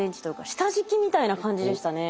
下敷きみたいな感じでしたね。